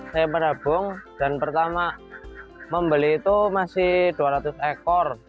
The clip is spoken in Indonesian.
saya menabung dan pertama membeli itu masih dua ratus ekor